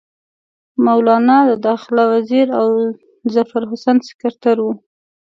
مولنا د داخله وزیر او ظفرحسن سکرټر وو.